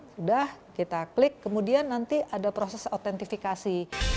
sudah kita klik kemudian nanti ada proses autentifikasi